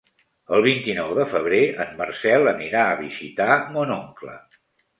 El vint-i-nou de febrer en Marcel anirà a visitar mon oncle.